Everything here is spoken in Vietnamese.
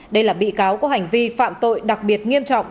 đây là bị cáo có hành vi phạm tội đặc biệt nghiêm trọng